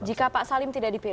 jika pak salim tidak dipilih